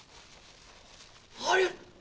あれ？